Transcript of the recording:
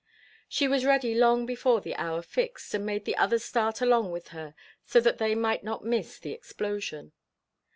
She was ready long before the hour fixed, and made the others start along with her so that they might not miss the explosion.